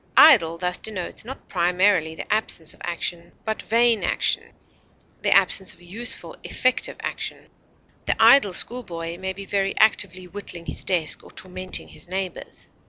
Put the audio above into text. Idle thus denotes not primarily the absence of action, but vain action the absence of useful, effective action; the idle schoolboy may be very actively whittling his desk or tormenting his neighbors.